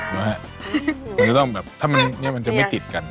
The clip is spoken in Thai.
มันจะต้องแบบถ้ามันจะไม่ติดกัน